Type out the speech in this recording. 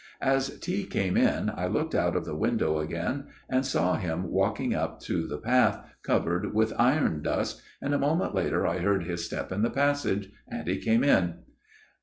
" As tea came in I looked out of the window again, and saw him walking up to the path, covered with iron dust, and a moment later I heard his step in the passage ; and he came in.